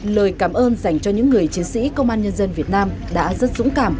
lời cảm ơn dành cho những người chiến sĩ công an nhân dân việt nam đã rất dũng cảm